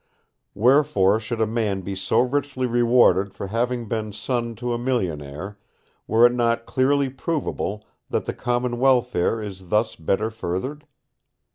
Wherefore should a man be so richly rewarded for having been son to a millionaire, were it not clearly provable that the common welfare is thus better furthered?